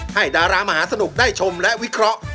ดารามหาสนุกได้ชมและวิเคราะห์